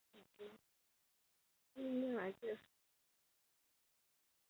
意念来自第一代模拟城市。